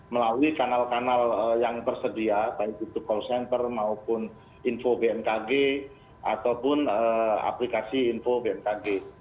melalui kanal kanal yang tersedia baik itu call center maupun info bmkg ataupun aplikasi info bmkg